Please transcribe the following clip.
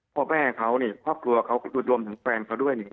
พ่อแม่เขาพ่อครัวเขาอุดรวมถึงแฟนเขาด้วย